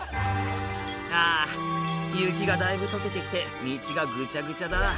「あぁ雪がだいぶ解けて来て道がぐちゃぐちゃだ」